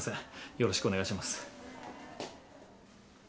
よろしくお願いします。